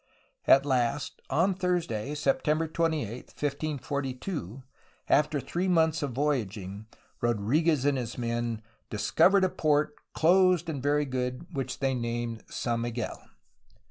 At last, on Thursday, September 28, 1542, after three months of voyaging, Rodriguez and his men "discovered a port, closed and very good, which they named San Miguel."